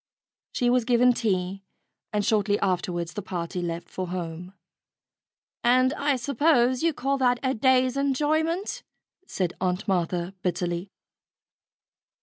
She was given tea, and shortly afterwards the party left for home. "And I suppose you call that a day's enjoyment," said Aunt Martha bitterly.